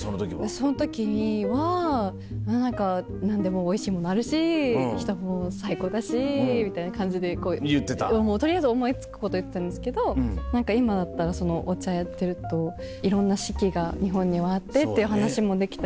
その時には何か何でもおいしいものあるし人も最高だしみたいな感じで取りあえず思い付くこと言ってたんですけど今だったらお茶やってるといろんな四季が日本にはあってっていう話もできたりとかするし。